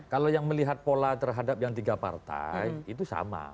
kalau yang melihat pola terhadap yang tiga partai itu sama